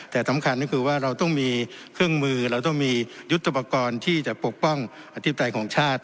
แต่สำคัญก็คือว่าเราต้องมีเครื่องมือเราต้องมียุทธปกรณ์ที่จะปกป้องอธิปไตยของชาติ